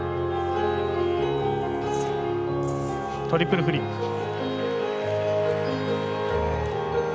トリプルフリップ。